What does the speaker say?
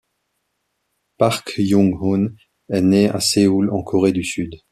Park Young-hoon est né à Séoul, en Corée du Sud.